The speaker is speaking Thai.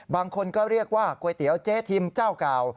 บางคนก็เรียกว่าก๋วยเตี๋ยวเจ๊ทิมเจ้าเก่า